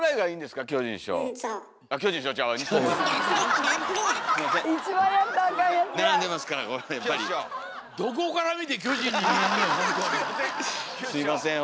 すいません